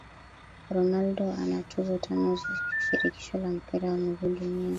Ronaldo ana tuzo tano za shirikisho la mpira wa miguu Duniani